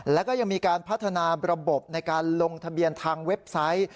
แล้วก็ยังมีการพัฒนาระบบในการลงทะเบียนทางเว็บไซต์